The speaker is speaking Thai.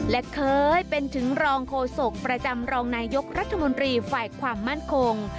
และเคยเป็นถึงรองโฆษกประจำรองนายยกรัฐมนตรีฝ่ายความมั่นคง